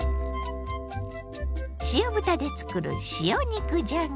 塩豚でつくる塩肉じゃが。